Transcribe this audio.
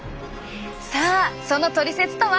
さあそのトリセツとは。